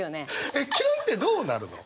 えっキュンってどうなるの？